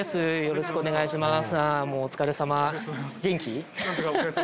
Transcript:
よろしくお願いします